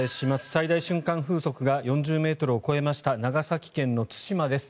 最大瞬間風速が４０ｍを超えました長崎県の対馬です。